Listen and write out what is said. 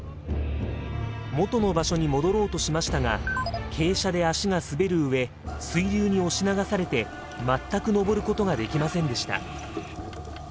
元の場所に戻ろうとしましたが傾斜で足が滑る上水流に押し流されて全く上ることができませんでした。